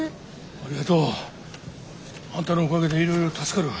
ありがとう。あんたのおかげでいろいろ助かるわ。